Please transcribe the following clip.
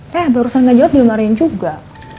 peh barusan nggak jawab dimarahin juga